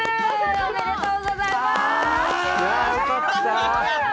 おめでとうございます！